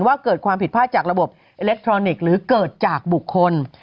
ว่าเกิดความผิดพลาดจากระบบอิเล็กทรอนิกส์หรือเกิดจากบุคคล